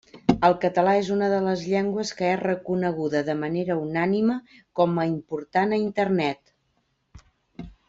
El català és una de les llengües que és reconeguda de manera unànime com a important a Internet.